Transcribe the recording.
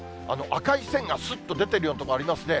赤い線がすっと出てるような所ありますね。